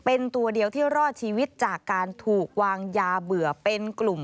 เป็นตัวเดียวที่รอดชีวิตจากการถูกวางยาเบื่อเป็นกลุ่ม